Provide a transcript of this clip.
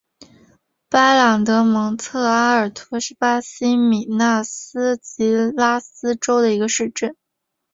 巴朗德蒙特阿尔托是巴西米纳斯吉拉斯州的一个市镇。